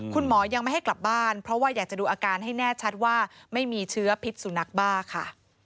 คุณหมอยังไม่ให้กลับบ้านเพราะว่าอยากจะดูอาการให้แน่ชัดว่าไม่มีเชื้อพิษสุนัขบ้าค่ะ